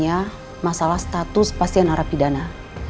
inilah perasaan orangnya